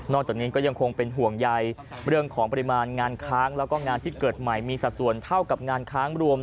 จากนี้ก็ยังคงเป็นห่วงใยเรื่องของปริมาณงานค้างแล้วก็งานที่เกิดใหม่มีสัดส่วนเท่ากับงานค้างรวม